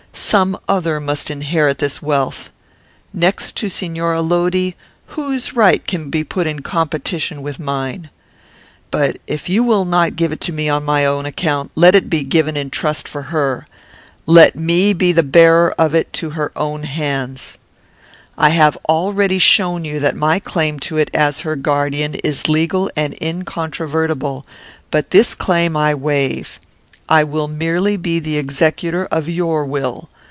Some other must inherit this wealth. Next to Signora Lodi, whose right can be put in competition with mine? But, if you will not give it to me on my own account, let it be given in trust for her. Let me be the bearer of it to her own hands. I have already shown you that my claim to it, as her guardian, is legal and incontrovertible, but this claim I waive. I will merely be the executor of your will.